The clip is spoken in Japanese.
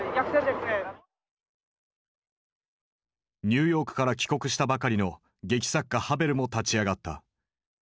ニューヨークから帰国したばかりの劇作家ハヴェルも立ち上がった。